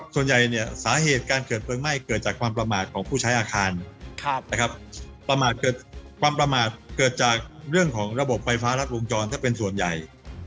ส่วนใหญ่เนี่ยสาเหตุการเกิดเพลิงไหม้เกิดจากความประมาทของผู้ใช้อาคารประมาทเกิดความประมาทเกิดจากเรื่องของระบบไฟฟ้ารัดวงจรถ้าเป็นส่วนใหญ่